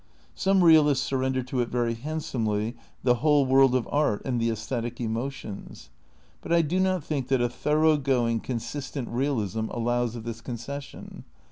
Some realists surrender to it very handsomely the whole world of art and the aesthetic emotions,^ but I do not think that a thorough going, consistent realism allows of this concession.